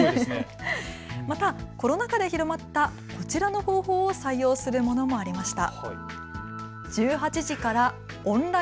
コロナ禍で広まったこちらの方法を採用するものもありました。